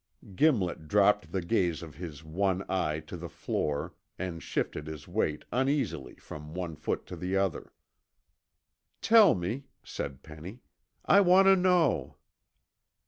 Gimlet dropped the gaze of his one eye to the floor and shifted his weight uneasily from one foot to the other. "Tell me," said Penny. "I want to know."